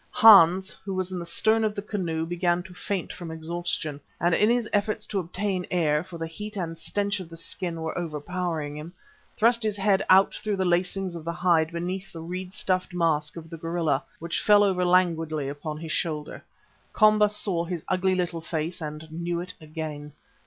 Hans, who was in the stern of the canoe, began to faint from exhaustion, and in his efforts to obtain air, for the heat and stench of the skin were overpowering him, thrust his head out through the lacings of the hide beneath the reed stuffed mask of the gorilla, which fell over languidly upon his shoulder. Komba saw his ugly little face and knew it again.